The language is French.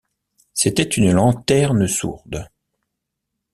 C’était une lanterne sourde.